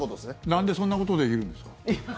なんでそんなことできるんですか？